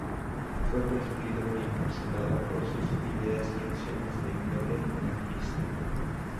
Fue perseguido y encarcelado por sus ideas y acciones de índole anarquista.